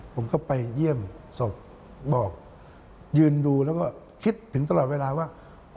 ผมก็ไปเยี่ยมศพบอกยืนดูแล้วก็คิดถึงตลอดเวลาว่า